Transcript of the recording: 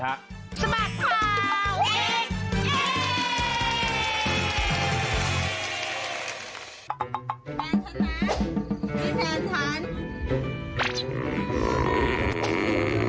สมัครครับ